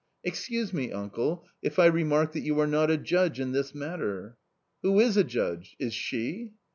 " Excuse me, uncle, if I remark that you are not a judge in this matter." " Who is a judge ? is she